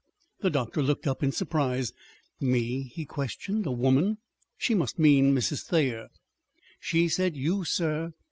The doctor looked up in surprise. "Me?" he questioned. "A woman? She must mean Mrs. Thayer." "She said you, sir.